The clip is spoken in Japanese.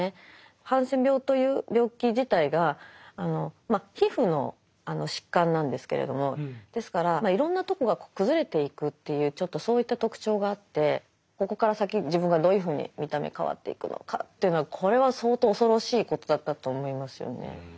ハンセン病という病気自体が皮膚の疾患なんですけれどもですからいろんなとこが崩れていくというちょっとそういった特徴があってここから先自分がどういうふうに見た目変わっていくのかというのはこれは相当恐ろしいことだったと思いますよね。